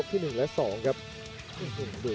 กันต่อแพทย์จินดอร์